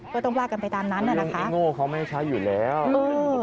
ก็ต้องพลาดกันไปตามนั้นน่ะนะคะแล้วยังไอ้โง่เขาไม่ใช่อยู่แล้วเออ